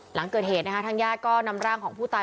หลังเกิดเหตุนะคะทางญาติก็นำร่างของผู้ตาย